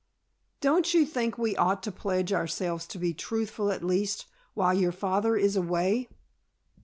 "Don't you think we ought to pledge ourselves to be truthful at least, while your father is away?"